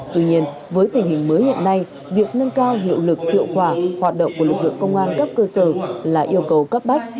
tuy nhiên với tình hình mới hiện nay việc nâng cao hiệu lực hiệu quả hoạt động của lực lượng công an cấp cơ sở là yêu cầu cấp bách